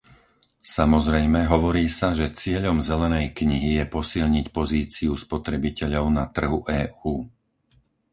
Samozrejme, hovorí sa, že cieľom zelenej knihy je posilniť pozíciu spotrebiteľov na trhu EÚ.